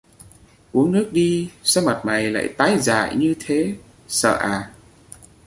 Uống nước đi sao mặt mày lại tái dại như thế Sợ à